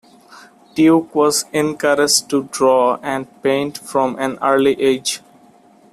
Tuke was encouraged to draw and paint from an early age.